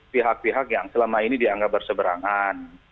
pihak pihak yang selama ini dianggap berseberangan